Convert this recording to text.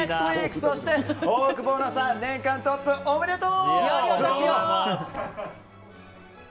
そして、オオクボーノさん年間トップ、おめでとう！